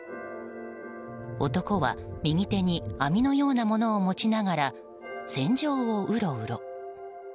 男は右手に網のようなものを持ちながら船上をうろうろ。